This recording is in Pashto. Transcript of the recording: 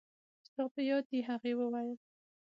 ستا په یاد دي؟ هغې وویل.